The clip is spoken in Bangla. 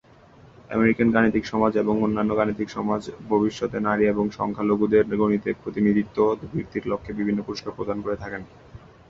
আমেরিকান গাণিতিক সমাজ এবং অন্যান্য গাণিতিক সমাজ ভবিষ্যতে নারী ও সংখ্যালঘুদের গণিতে প্রতিনিধিত্ব বৃদ্ধির লক্ষ্যে বিভিন্ন পুরস্কার প্রদান করে থাকে।